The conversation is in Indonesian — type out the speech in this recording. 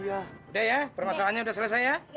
udah ya permasalahannya udah selesai ya